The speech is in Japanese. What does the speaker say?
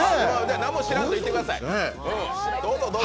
何も知らんと行ってください。